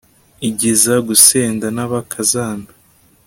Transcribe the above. igeza gusenda n'abakazana